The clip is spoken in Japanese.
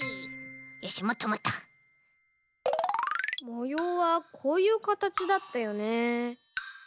もようはこういうかたちだったよね。